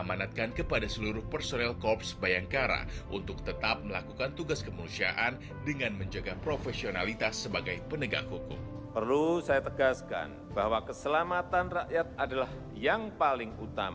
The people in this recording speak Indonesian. merupakan institusi yang memiliki fungsi tugas kewanangan